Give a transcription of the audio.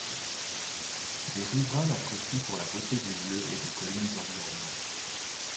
Les riverains l’apprécient pour la beauté du lieu et des collines environnantes.